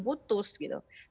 beliau belum putus